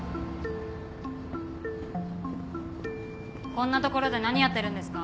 こんなところで何やってるんですか？